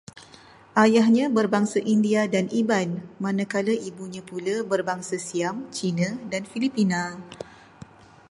Ayahnya berbangsa India dan Iban, manakala ibunya pula berbangsa Siam, Cina dan Filipina